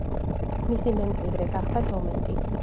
მისი მემკვიდრე გახდა დომენტი.